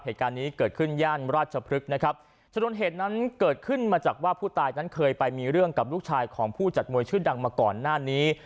เหตุการณ์นี้เกิดขึ้นย่านราชพฤกษ์นะครับชนวนเหตุนั้นเกิดขึ้นมาจากว่าผู้ตายนั้นเคยไปมีเรื่องกับลูกชายของผู้จัดมวยชื่อดังมาก่อนหน้านี้